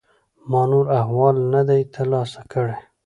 ما نور احوال نه دی ترلاسه کړی.